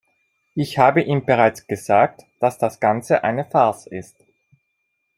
Ich habe ihm bereits gesagt, dass das Ganze eine Farce ist.